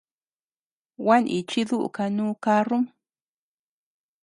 Gua nichi duʼu kanu karrum.